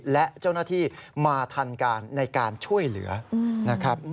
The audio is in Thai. และเจ้าหน้าที่มาทันการในการช่วยเหลือนะครับ